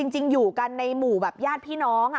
จริงอยู่กันในหมู่แบบญาติพี่น้อง